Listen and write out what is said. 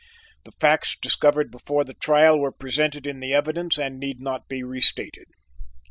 The facts discovered before the trial were presented in the evidence and need not be re stated.